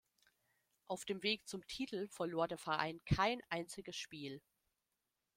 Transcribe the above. Auf dem Weg zum Titel verlor der Verein kein einziges Spiel.